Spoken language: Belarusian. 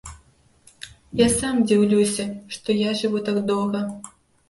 Я сам дзіўлюся, што я жыву так доўга.